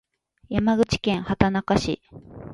山口県畑中市